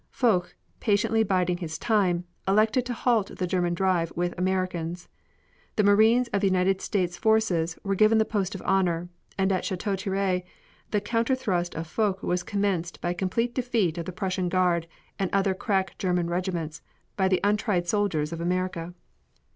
Foch, patiently biding his time, elected to halt the German drive with Americans. The Marines of the United States forces were given the post of honor, and at Chateau Thierry the counter thrust of Foch was commenced by a complete defeat of the Prussian Guard and other crack German regiments, by the untried soldiers of America.